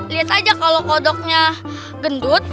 lihat aja kalau kodoknya gendut